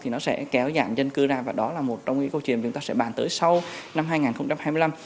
thì nó sẽ kéo dạng dân cư ra và đó là một trong những câu chuyện chúng ta sẽ bàn tới sau năm hai nghìn hai mươi năm